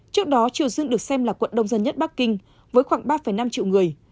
trước đó triều dương được xem là quận đông dân nhất bắc kinh với khoảng ba năm triệu người